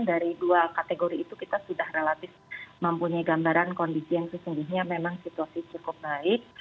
dari dua kategori itu kita sudah relatif mempunyai gambaran kondisi yang sesungguhnya memang situasi cukup baik